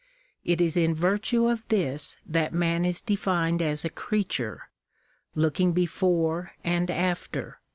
It is in virtue of this that man is defined as a creature " looking before and after."